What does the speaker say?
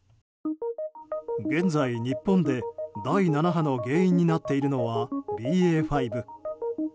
現在、日本で第７波の原因になっているのはＢＡ．５。